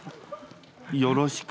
よろしく。